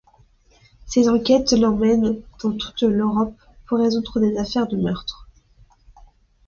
Ses enquêtes l'emmènent dans toute l'Europe pour résoudre des affaires de meurtres.